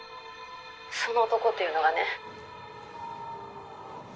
「その男っていうのがね」